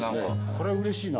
これはうれしいな。